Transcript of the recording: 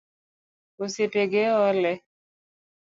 Osiepe ge ole